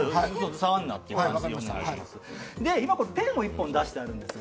今、ペンを１本出してあります。